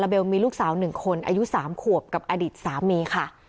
เบลมีลูกสาว๑คนอายุ๓ขวบกับอดีตสามีค่ะ